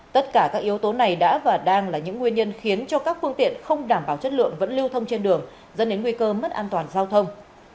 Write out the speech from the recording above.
tất cả các yếu tố này đã và đang là những nguyên nhân khiến cho các phương tiện không đảm bảo chất lượng vẫn lưu thông trên đường dẫn đến nguy cơ mất an toàn giao thông